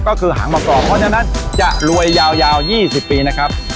ก็คือหางประกอบเพราะฉะนั้นจะรวยยาวยาวยี่สิบปีนะครับ